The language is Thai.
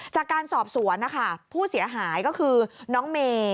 จากการสอบสวนนะคะผู้เสียหายก็คือน้องเมย์